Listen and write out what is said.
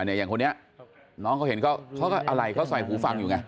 อย่างคนนี้น้องเขาเห็นเขาก็อะไรเขาใส่หูฟังอยู่ไง